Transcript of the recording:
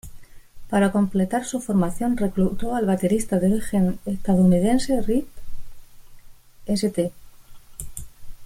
Para completar su formación, reclutó al baterista de origen estadounidense Reed St.